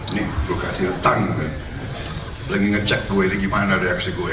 ini gue kasih utang lagi ngecek gue ini gimana reaksi gue